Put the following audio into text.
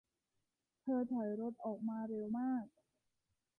เธอถอยรถออกมาเร็วมาก